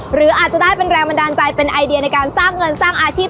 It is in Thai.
หรืออาจจะได้เป็นแรงบันดาลใจเป็นไอเดียในการสร้างเงินสร้างอาชีพ